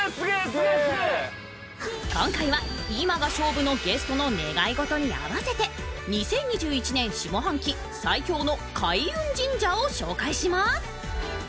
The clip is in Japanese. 今回は今が勝負のゲストの願い事に合わせて２０２１年下半期最強の開運神社を紹介します。